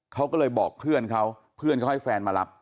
เขาก็เลยบอกเพื่อนเขาเพื่อนเขาให้แฟนมารับ